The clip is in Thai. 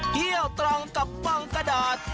เที่ยวตรังกับวังกระดาษ